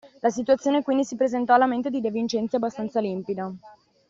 La situazione, quindi, si presentò alla mente di De Vincenzi abbastanza limpida